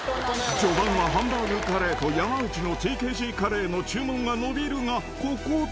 序盤はハンバーグカレーと山内のＴＫＧカレーの注文が伸びるが、ここで。